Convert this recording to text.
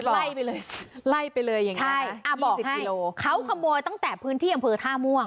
ไล่ไปเลยไล่ไปเลยอย่างเงี้ใช่อ่าบอกให้เขาขโมยตั้งแต่พื้นที่อำเภอท่าม่วง